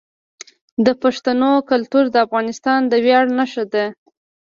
د پښتنو کلتور د افغانستان د ویاړ نښه ده.